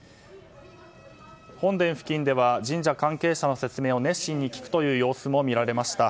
本殿付近では神社関係者の説明を熱心に聞くという様子も見られました。